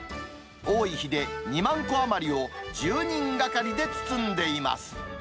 多い日で２万個余りを１０人がかりで包んでいます。